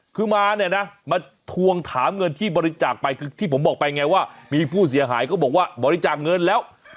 คือมาเนี่ยนะมาทวงถามเงินที่บริจาคไปคือที่ผมบอกไปไงว่ามีผู้เสียหายก็บอกว่าบริจาคเงินแล้ว